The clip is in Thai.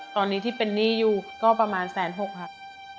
ตอนนี้ที่เป็นหนี้อยู่ก็ประมาณแสนหกครับ